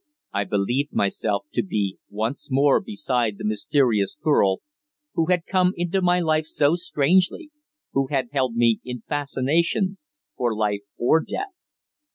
I believed myself to be once more beside the mysterious girl who had come into my life so strangely who had held me in fascination for life or death.